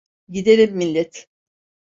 Gidelim millet!